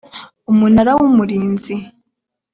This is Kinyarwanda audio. umunara w’ umurinzi